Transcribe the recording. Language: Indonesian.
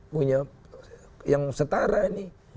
punya yang setara nih